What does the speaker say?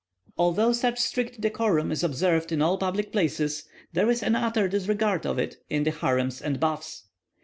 Although such strict decorum is observed in all public places, there is an utter disregard of it in the harems and baths.